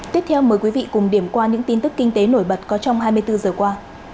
tiếp theo mời quý vị cùng điểm qua những tin tức kinh tế nổi bật có trong hai mươi bốn giờ qua